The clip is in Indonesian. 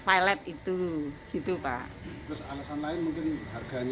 pilet itu gitu pak